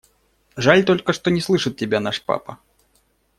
Жаль только, что не слышит тебя наш папа.